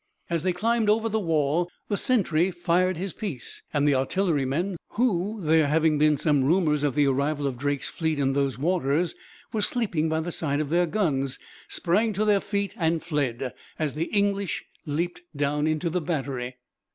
As they climbed up over the wall the sentry fired his piece, and the artillerymen, who, there having been some rumors of the arrival of Drake's fleet in those waters, were sleeping by the side of their guns, sprang to their feet and fled, as the English leapt down into the battery.